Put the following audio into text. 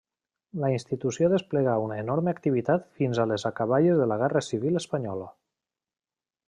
La institució desplegà una enorme activitat fins a les acaballes de la Guerra Civil espanyola.